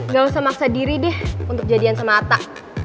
gak usah maksa diri deh untuk jadian sama atta